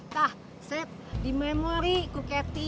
tah sep di memory ku cathy